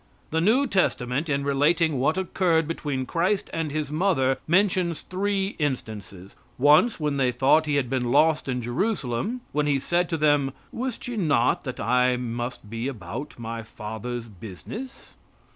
The new testament, in relating what occurred between Christ and his mother, mentions three instances; once, when they thought He had been lost in Jerusalem, when He said to them, "Wist ye not that I must be about my Father's business?"